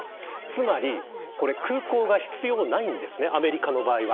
つまり、空港が必要ないんですねアメリカの場合は。